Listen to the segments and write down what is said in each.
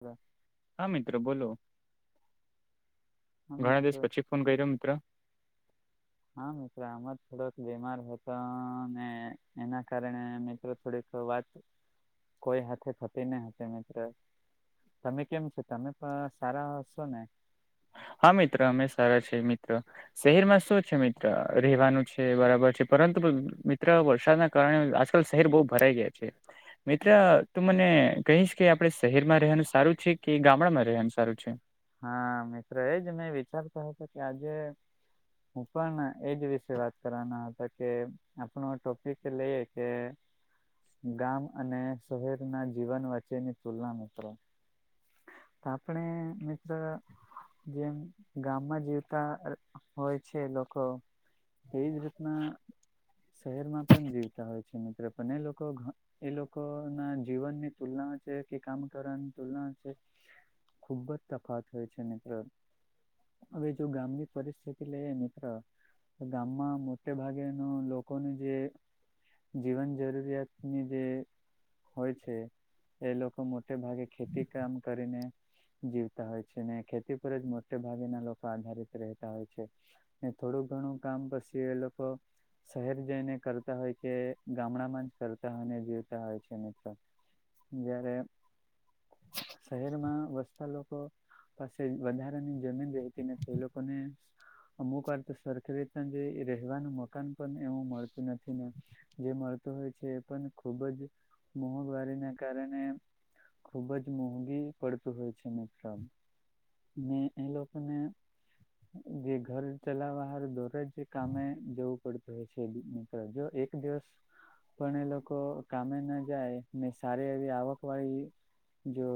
જા. હા મિત્રો બોલો, ઘણા દિવસ મિત્રો પછી ફોન કર્યો મિત્ર! હા મિત્ર, આમાં થોડોક બીમાર હતો ને એના કારણે મિત્ર થોડીક વાત કોઈ હાથે થતી ના હતી મિત્ર. તમે કેમ છો? તમે પણ સારા હશો ને? હા મિત્ર, અમે સારા છે મિત્ર. શહેરમાં શું છે મિત્ર રહેવાનું છે બરાબર છે. પરંતુ મિત્ર વરસાદના કારણે આજકાલ શહેર બહ ભરાઈ ગયા છે મિત્ર તું મને કહીશ કે આપણે શહેરમાં રહેવાનું સારું છે કે ગામડામાં રહેવાનું સારું છે? હા મિત્ર, એજ મેં વિચારતા હ હતો કે આજે હું પણ એજ વિશે વાત કરવાનો હતો કે આપણો ટોપિક લઈએ કે ગામ અને શહેર ના જીવન વચ્ચેની તુલના મિત્ર તો આપણે મિ ત્ર જેમ ગામમાં જીવતા હોય છે, લોકો એજ રીતના શહેરમાં પણ જીવતા હોય છે મિત્ર અને લોકો એ લોકો ના જીવનની તુલના છે કે કામ કરવા ની તુલના છે ખૂબ જ તફાત હોય છે મિત્ર હવે જો ગામની પરિસ્થિતિ લઈએ મિત્ર તો ગામમાં મોટે ભાગેનો લોકોનું જે જીવન જરૂરિયાતની જે, હોય છે એ લોકો મોટે ભાગે ખેતી કામ કરીને જીવ, તા હોય છે ને ખેતી પર જ મોટે ભાગેના લોકો આધારિત રેહતા હોય છે ને થોડું ઘણું કામ પસી એ લોકો શહેર જઈને કરતા હોય કે ગામડામાં જ કરતા હોયને જીવતા હોય છે મિત્રો જ્યારે શહેરમાં વસતા લોકો પસી વધારાની જમીન રહેતી નથી એ લોકો ને અમુક વાર તો સરખી રીતના જે રહેવાનું મકાન પણ એવું મળતું નથી ને જે મળતું હોય છે એ પણ ખુબ જ મોઘવારીના કારણે ખુબ જ મોંઘી પડતું હોય છે, [unintelligible] ને એ લોકોને, બે ઘર ચલાવાહારુ દરોજ કામે જવું પડતું હોય છે, [unintelligible] જો એક દિવસ પણ એ લોકો કામે ના જાય ને સારી એવી આવક વાળી જો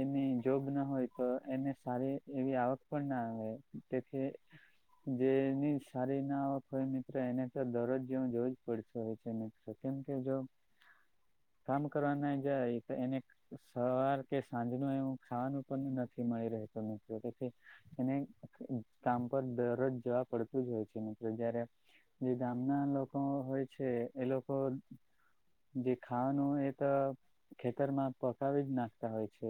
એની જોબ ના હોય તો એને સારી એવી આવક પણ ના આવે તેથી, જે એની સા ના આવક હોય મિત્રો એને તો દરરોજ જેવું જવું જ પડતું હોય છે મિત્રો કેમ કે જો, કામ કરવા ના જાય તો એને સવાર કે સાંજ નું એવું ખાવાનું પણ નથી મળી રહેતું મિત્રો તેથી એને કામ પર દરોજ જવા પડતું જ હોય છે મિત્ર જયારે જે ગામના લોકો હોય છે એ લોકો, જે ખાવાનું હોય એ તો ખેતરમાં પકાવી જ નાખતા હોય છે,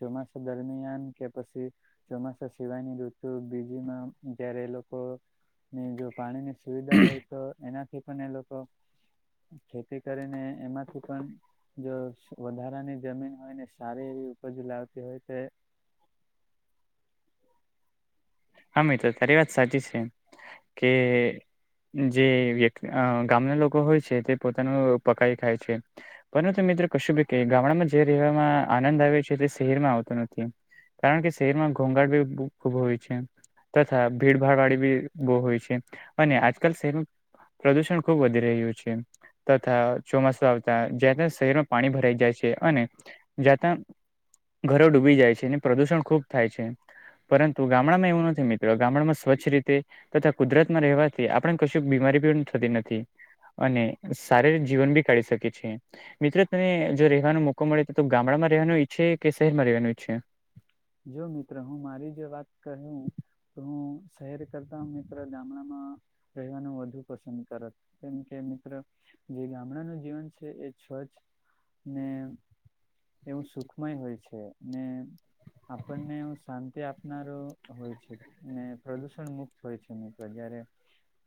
ચોમાસા દરમિયાન કે પસી ચોમાસા સિવાયની ઋત તો બીજીમાં જયારે લોકો ની જો પાણી ની સુવિધા હોય તો એનાથી, પણ એ લોકો ખેતીકરી ને એમાંથી, પણ જો વધારાની જમીન હોય ને સારી એવી ઉપજ લાવતી હોય તો એ હા મિત્ર તારી વાત સાચી છે કે જે વ્ય, અ ગામના લોકો હોય છે તે પોતાનું પકાઈ ખાય છે, પરંતુ મિત્રો કશું ભી કેઈ કે ગામડામાં જે રહેવામાં આનંદ આવે છે તે શહેરમાં આવતો નથી. કારણ કે શહેર માં ઘોંઘાટ બી ખુબ હોય છે. તથા ભીડભાડ વાળી બી બહુ હોય છે અને આજકાલ શહેરો. પ્રદુષણ ખુબ વધી રહ્યું છે. તથા ચોમાસું આવતા જ્યાંતાં શહેરમાં પાણી ભરાઈ જાય છે અને જ્યાંતાં, ઘરો ડૂબી જાય છે અને પ્રદુષણ ખુબ થાય છે પરંતુ ગામડામાં એવું ન થી મિત્ર ગામડમાં સ્વચ્છ રીતે તથા કુદરત માં રહેવાથી આપણે કશું બીમારી પણ થતી નથી. અને સારિરિક જીવન બી કાઢી શકીએ છીએ. મિત્ર તને જો રહેવાનો મોકો મળે તો તું ગામડામાં રહેવાનું ઈચ્છે કે શહેરમાં રહેવાનું ઈચ્છે? જો મિત્ર હું મારી જે વાત કહું. તો હું શહેર કરતા મિત્ર ગામડામાં. રહેવાનું વધુ પસંદ કરત કેમ કે મિત્ર. જે ગામડાનું જીવન છે એ [unintelligible] ને એવું સુખમય હોય છે ને, આપણને શાંતિ આપનારો હોય છે. ને પ્રદુષણ મુક્ત હોય છે મિત્ર જયારે.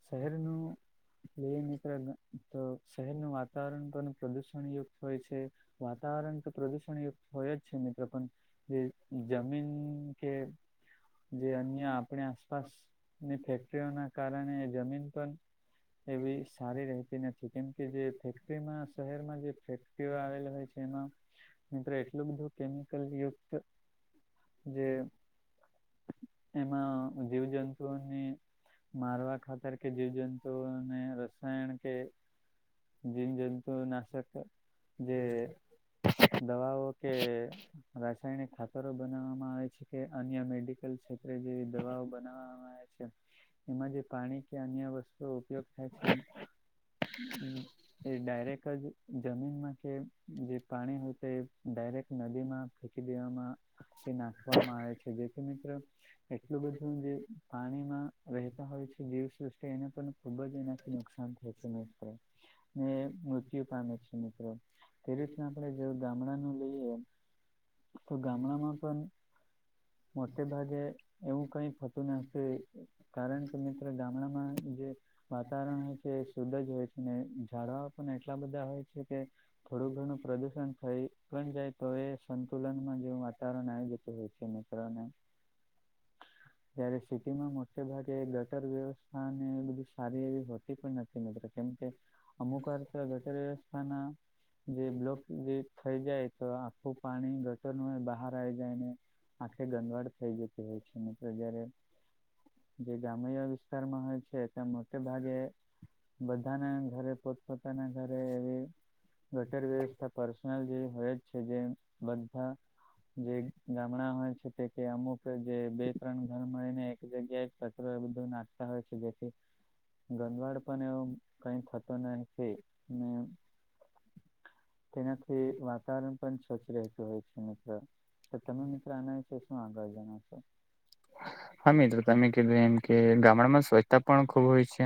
શહેરનું બે મિત્ર તો. શહેરનું વાતાવરણ પણ પ્રદુષણયુક્ત હોય છે. વાતાવરણ તો પ્રદુષણયુક્ત હોય જ છે મિત્રો પણ જમીન કે, જે અન્ય આપણે આસપાસ ની ફેક્ટરીઓના કારણે જમીન પણ, એવી સારી રહેતી નથી કેમકે જે ફેક્ટરીમાં શહેરમાં જે ફે ટરીઓ આવેલી હોય છે એમાં મિત્રો એટલું બધું કેમિકલ યુક્ત જે એમાં જીવજંતુઓની. મારવા ખાતર કે જીવજંતુઓને રસાયણ કે, જીવજંતુ નાશક જે, દવાઓ કે રાસાયણિક ખાત બનાવામાં આવે છે કે અન્ય મેડિકલ ક્ષેત્રે જેવી દવાઓ બનાવવામાં આવે છે. એમાં જે પાણી કે અન્ય વસ્તુઓ ઉપયોગ. થાય છે એ ડાયરેક્ટ જ. જમીનમાં કે જે પાણી હોય તે એ ડાયરેક્ટ નદીમાં ફેકી દેવામાં. કે નાખવામાં આવે છે જેથી મિત્ર. એટલું બધું જે પાણીમાં રહેતા હોય છે જીવ સૃષ્ટિ એને પણ ખુબ જ એનાથી નુકસાન [inaudible] મિત્ર ને મૃત્યુ પામે છે મિત્રો તે રીતના આપણે જો ગામડાનું લઈએ. તો ગામડામાં પણ, મોટે ભાગે એવું કઈ થતું નથી. કારણ કે મિત્ર ગામડામાં જે, વાતાવરણ [inaudible] છે શુદ્ધ જ હોય છે ને ઝડવાઓ પણ એટલા બધા હોય છે કે, થોડું ઘણું પ્રદુષણ થઈ પણ જાય તો એ સંતુલનમાં [inaudible] કારણ આવી જતું હોય છે મિત્રને. જયારે સિટીમાં મોટે ભાગે ગટર વ્યવસ્થાને એ બધી સારી એવી હોતી પણ નથી મિત્રો કેમકે, અમુક વાર તો ગટર વ્વસ્થાના. જે બ્લોક જે થઈ જાય તો આખું પાણી ઘટરનું હોય બહા જાયને આંખે ગંદવાડ થઈ જતી હોય છે ને મિત્ર જયારે. જે ગામ્ય વિસ્તારમાં હોય છે ત્યાં મોટે ભાગે. બધા ના ઘરે પોતપોતાના ઘરે એવી. ગટર વ્યવસ્થા પર્સનલ જે હોય જ છે જે બધા. જે ગામડા હોય છે તે કે અમુક જે બે ત્રણ ઘર. મળીને એક જગ્યાએ કચરો એ બધું નાખતા હોય છે જેથી ગંદવાડ પણ એવો. કઈ થતો નથી ને તેનાથી વાતાવરણ પણ સ્વચ્છ રહેતું હોય છે, મિત્ર. તો તમે મિત્ર આના છે શું આગળ જણાવશો? હા મિત્રો તમે કીધું એમ કે ગામડામાં સ્વચ્છતા પણ ખૂબ હોય છે.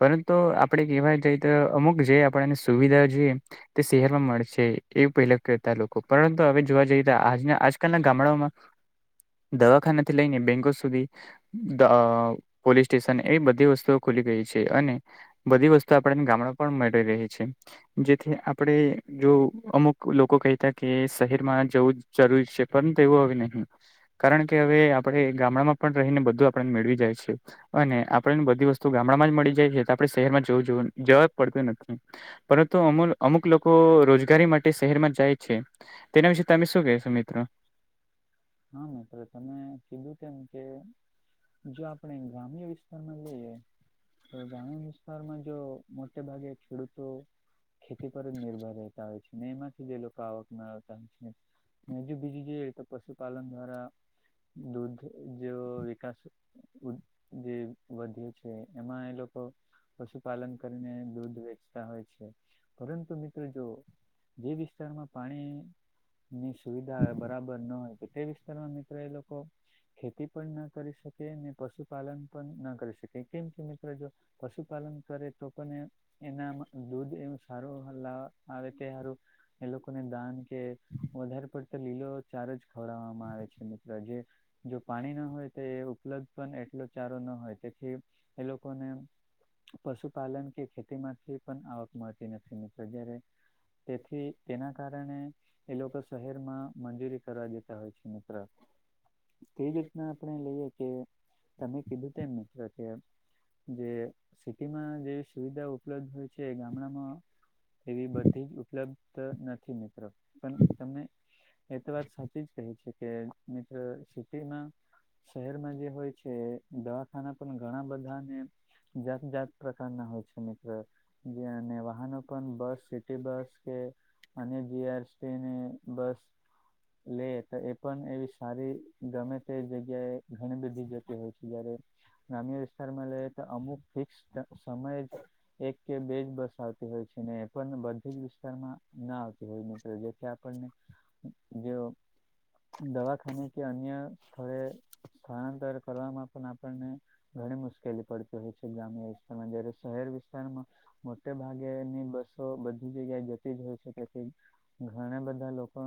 પરંતુ આપણે કહેવા જઈએ, તો અમુક જે આપણને સુવિધા જોએ તે શહેરમાં મળશે, એવું પહેલા કહેતા લોકો. પરંતુ હવે જોવા જઈએ તો આજના આજકાલના ગામડાઓમાં દવાખાનાથી લઈને બેંકો સુધી દ અ પોલીસ સ્ટેશન એવી બધી વસ્તુઓ ખુલી ગઈ છે અને બધી વસ્તુ આપણાને ગામડામાં પણ મળી રહે છે. જેથી આપણે જો અમુક લોકો કહીતા કે શહેરમાં જવું જરૂરી છે. પરંતુ એવું હવે નહીં. કારણ કે હવે કે ગામડામાં પણ રહીને બધું આપણાને મેળવી જાય છે. અને આપણાને બધી વસ્તુ ગામડામાં જ મળી જાય જેથી આપડે શહેરમાં જવું જોવન જવાજ પડતું નથી. પરંતુ અમુલ અમુક લોકો રોજગારી માટે શહેરમાં જાય છે. તેના વિશે તમે શું કહેશો મિત્ર? હ મિત્ર, તમે કીધું તેમ કે જો આપણે ગ્રામ્ય વિસ્તારમાં લઈએ તો ગ્રામીણ વિસ્તારમાં જો મોટે ભાગે ખેડૂતો ખેતી પર જ નિર્ભર રહેતા હોય છે, ને એમાંથી જ એ લોકો આવક મેળવતા હોય છે એમ. ને હજું બીજું જોઈએ તો પશુપાલન દ્વારા દૂધ જેવો વિકાસ વધ જે વધ્યો છે, એમાં એ લોકો પશુપાલન કરીને દૂધ વેચતા હોય છે. પરંતુ મિત્રો જો જે વિસ્તારમાં પાણીની સુવિધા બરાબર ન હોય એ વિસ્તારમાં મિત્રો એ લોકો ખેતી પણ ન કરી શકે, અને પશુપાલન પણ ન કરી શકે. કેમ કે મિત્ર જો પશુપાલન કરે, તો પણ એ એનામાં દૂધ એવ સારું લાવા આવે તે હારું, એ લોકોને દાન કે વધારે પડતા લીલો ચારોજ ખવડાવામાં આવે છે મિત્ર. જે જો પાણી ના હોય તો એ ઉપલબ્ધ પણ એટલો ચારો ન હોય તેથી એ લોકોને પશુપાલન કે ખેતીમાંથી પણ આવક મળતી નથી મિત્ર. જયારે તેથી તેના કારણે એ લોકો શહેરમાં મંજૂરી કરવા જત તા હોય છે મિત્ર. તે જ ના આપણે લઈએ કે, તમે કીધું તેમ મિત્ર કે જે સિટીમાં જેવી સુવિધા ઉપલબ્ધ હોય છે, એ ગામડામાં એવી બધી જ ઉપલબ્ધ ત નથી મિત્ર, પણ તમને એ તો વાત સાચી જ કહી છે કે મિત્ર સિટીમાં શહેરમાં જે હોય છે, દવાખાના પણ ઘણા બધાને જાત જાત પ્રકારના હોય છે મિત્ર, જ્યાં ને વાહનો પણ બસ, સિટી બસ કે અને જીઆરસટીને બસ લેટ ત એ પણ એવી સારી, ગમે તે જગ્યાએ ઘણી બધી જતી હોય છે. જયારે ગ્રામ્ય વિસ્તારમાં લઈએ તો અમુક ફિક્સ સમયે જ એક કે બે જ બસ આવતી હોય છે, ને એ પણ બધી જ વિસ્તારમાં ન આવતી હોય મિત્રો જેથી આપ પણને જેઓ દવાખાને કે અન્ય સ્થળે સ્થળાંતર કરવામાં પણ આપણને ઘણી મુશ્કેલી પડતી હોય છે ગ્રામ્ય વિસ્તારમાં જયારે શહેર વિસ્તારમાં મોટે ભાગેની બસો બધી જગ્યાએ જતી જ હોય છે તેથી ઘણાબધા લોકો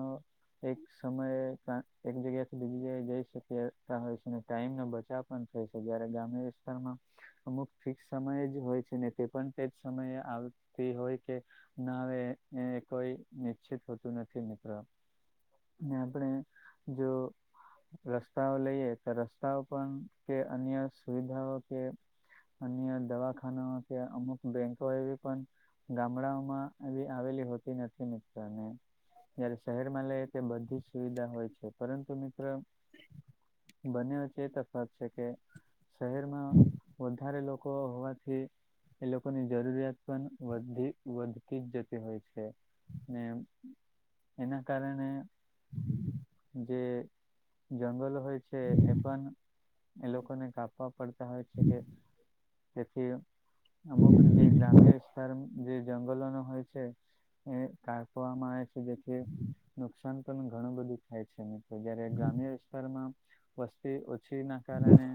એક સમયે તાં એક જગ્યાથી બીજી જગ્યા જઈ શકીએ તાં હોય છે ને ટાઈમનો બચાવ પણ થાય છે જયારે ગ્રામ્ય વિ સ્તારમાં અમુક ફિક્સ સમયે જ હોય છે ને તે પણ તે જ સમયે આવતી હોય કે ના આવે એ કોઈ નિશ્ચિત હોતું નથી મિત્રો, ને આપણે જો રસ્તાઓ લઈએ તો રસ્તાઓ પણ કે અન્ય સુવિધાઓ કે અન્ય દવાખાનાઓ કે અમુક બેંકો એવી પણ ગામડાઓમાં એવી આવેલી હોતી નથી મિત્ર ને જયારે શહેરમાં લઈએ તે બધી જ સુવિધા હોય છે પરંતુ મિત્ર બંને વચ્ચે એ તફાવત છે કે, શહેરમાં વધારે લોકો હોવાથી એ લોકોની જરૂરિયાત પણ વધી વધતી જ જતી હોય છે. ને એના કારણે જે જંગલો હોય છે એ પણ એ લોકોને કાપ પવા પડતા હોય છે કે તેથી અમુક જે ગ્રામ્ય વિસ્તાર જે જંગલોનો હોય છે એ કાપવામાં આવે છે જેથી નુકસાન પણ ઘણુંબધું થાય છે મિત્ર જયારે ગ્રામ્ય વિસ્તારમાં વસ્તી ઓછી ના કારણે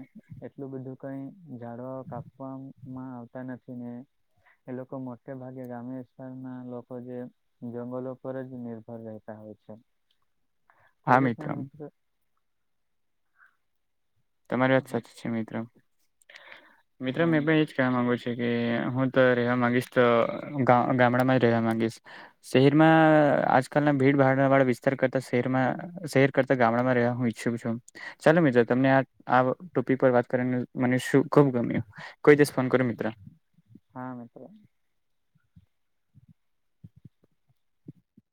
એટલું બધું કઈ ઝાડવાં કાપવામાં આવતા નથી ને એ લોકો મોટે ભાગે ગ્રામ્ય વિસ્તારના લોકો જે જંગલો પર જ નિર્ભર રહેતા હોય છે તે હા રીતના મિત્રો મિત્ર તમારી વાત હા સાચી છે મિત્ર, મિત્ર હા મેં પણ એજ કેવાં માગું છે કે હું તો રહેવા માંગીશ તો ગામડામાં જ રહેવા માંગીશ. શહેરમાં આજકાલના ભીડ-ભાડવાળા વિસ્તાર કરતા શહેરમાં શહેર કરતા ગામડામાં રહ્યા હું ઈચ્છું છું ચાલો મિત્રો તમને આ આ ટોપિક પર વાત કરીને મને શું ખુબ ગમ્યું કોઈ દિવસ ફોન કરો મિત્ર. હા મિત્ર.